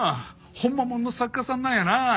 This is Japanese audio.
ほんまもんの作家さんなんやな。